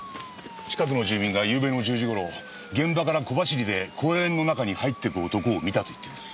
近くの住民がゆうべの１０時頃現場から小走りで公園の中に入っていく男を見たと言っています。